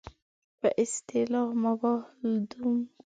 په اصطلاح مباح الدم وو.